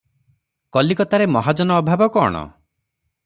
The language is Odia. କଲିକତାରେ ମହାଜନ ଅଭାବ କଣ?